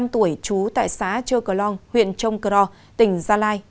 ba mươi năm tuổi chú tại xã chơ cờ long huyện trông cờ rò tỉnh gia lai